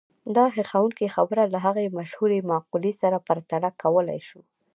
دا هيښوونکې خبره له هغې مشهورې مقولې سره پرتله کولای شو.